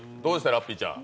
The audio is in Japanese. ラッピーちゃん。